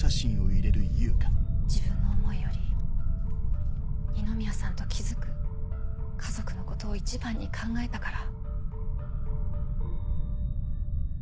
自分の想いより二宮さんと築く家族のことを一番に考えたから。